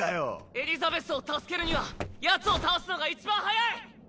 ⁉エリザベスを助けるにはヤツを倒すのがいちばん早い！